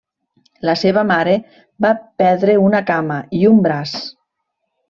La seva mare va perdre una cama i un braç.